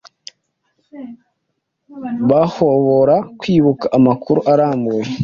bahobora kwibuka amakuru arambuye